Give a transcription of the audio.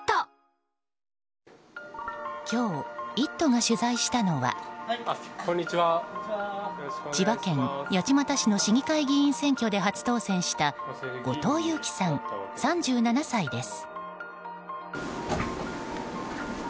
今日「イット！」が取材したのは千葉県八千代市の市議会議員選挙で初当選した後藤祐樹さん、３７歳です。